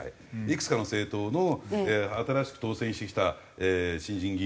いくつかの政党の新しく当選してきた新人議員のね